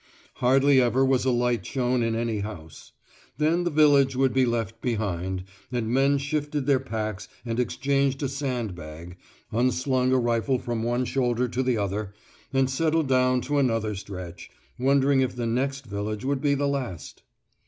Hardly ever was a light shown in any house. Then the village would be left behind, and men shifted their packs and exchanged a sand bag, unslung a rifle from one shoulder to the other, and settled down to another stretch, wondering if the next village would be the last.